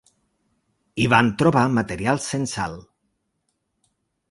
Hi van trobar material censal.